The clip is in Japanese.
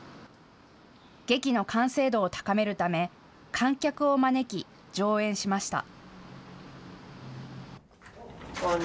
劇の完成度を高めるため観客を招き上演しました。